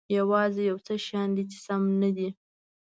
یوازې یو څه شیان دي چې سم نه دي.